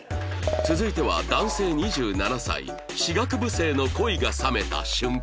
続いては男性２７歳歯学部生の恋が冷めた瞬間